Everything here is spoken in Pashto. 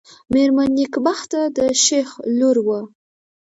مېرمن نېکبخته د شېخ لور وه.